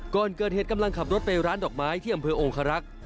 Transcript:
ก่อนเกิดเหตุกำลังขับรถไปร้านดอกไม้ที่อำเภอองคารักษ์